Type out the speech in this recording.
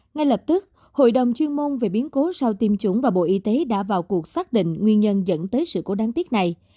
ngay lập tức hội đồng chuyên môn về biến cố sau tiêm chủng và bộ y tế đã vào cuộc xác định nguyên nhân dẫn tới sự cố đáng tiếc này